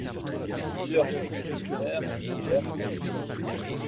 Plusieurs propriétaires succédèrent à Garchi.